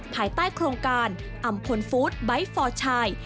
ภายใต้โครงการอำพลฟู้ดไบท์ฟอร์ชาย